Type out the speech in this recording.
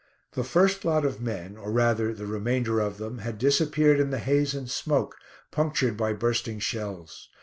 The first lot of men, or rather the remainder of them, had disappeared in the haze and smoke, punctured by bursting shells.